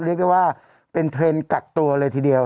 เรียกได้ว่าเป็นเทรนด์กักตัวเลยทีเดียว